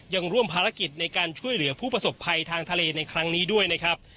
ยังร่วมภารกิจในการช่วยเหลือผู้ประสบภัยทางทะเลในครั้งนี้ด้วยนะครับ